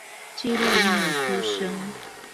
記錄嬰兒哭聲